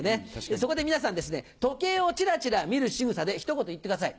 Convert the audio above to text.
そこで皆さん時計をチラチラ見るしぐさでひと言言ってください。